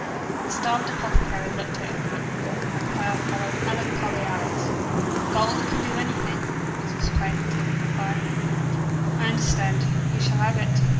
The starved apothecary looked at him out of a pair of hollow, melancholy eyes. "Gold can do anything," was his plaintive reply. "I understand. You shall have it.